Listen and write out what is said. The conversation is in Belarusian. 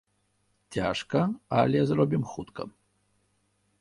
Цяжка, але зробім хутка.